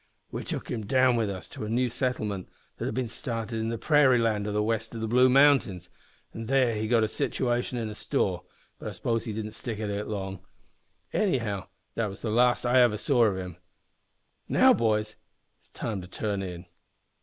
"We took him down with us to a new settlement that had been started in the prairie land west o' the Blue Mountains, an' there he got a sitooation in a store, but I s'pose he didn't stick to it long. Anyhow that was the last I ever saw of him. Now, boys, it's time to turn in."